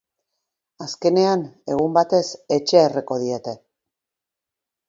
Azkenean, egun batez, etxea erreko diete.